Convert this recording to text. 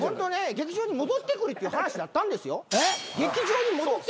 劇場に戻ってくるっていう話だったんですよ。